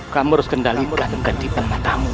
kamu harus kendalikan ke depan matamu